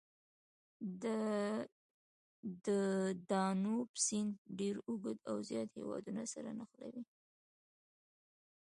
د دانوب سیند ډېر اوږد او زیات هېوادونه سره نښلوي.